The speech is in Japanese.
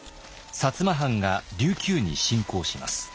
摩藩が琉球に侵攻します。